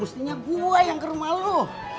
mestinya gue yang ke rumah lo